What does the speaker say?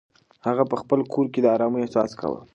هغه په خپل کور کې د ارامۍ احساس کاوه.